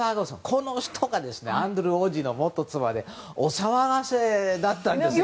この人がアンドリュー王子の元妻でお騒がせだったんですけど。